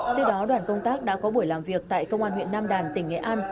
trước đó đoàn công tác đã có buổi làm việc tại công an huyện nam đàn tỉnh nghệ an